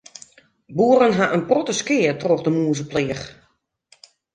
Boeren ha in protte skea troch de mûzepleach.